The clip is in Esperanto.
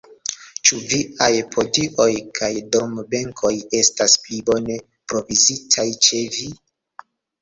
Ĉu viaj podioj kaj dormbenkoj estas pli bone provizitaj ĉe vi?